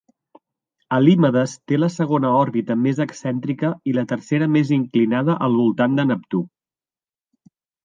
Halimedes té la segona òrbita més excèntrica i la tercera més inclinada al voltant de Neptú.